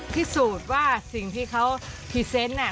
พิสูจน์ว่าสิ่งที่เขาพรีเซนต์